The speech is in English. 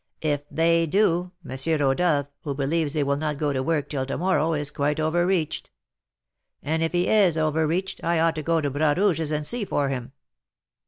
If they do, M. Rodolph, who believes they will not go to work till to morrow, is quite over reached; and if he is over reached, I ought to go to Bras Rouge's and see for him.